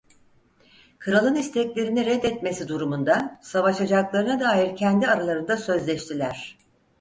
Kralın isteklerini reddetmesi durumunda savaşacaklarına dair kendi aralarında sözleştiler.